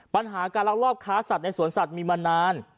ปัญหาการลักลอบค้าสัตว์ในสวนสัตว์มีมานาน